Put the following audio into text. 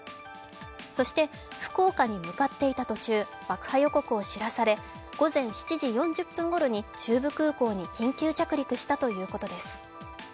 そして福岡に向かっていた途中、爆破予告を知らされ、午前７時４０分ごろに中部空港に緊急着陸したということです。